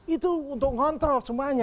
itu untuk kontrol semuanya